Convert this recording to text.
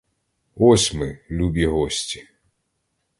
Ось ми, любі гості.